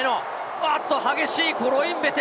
おっと、激しいコロインベテ。